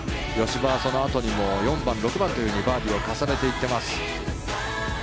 葭葉はそのあとにも４番、６番というようにバーディーを重ねていってます。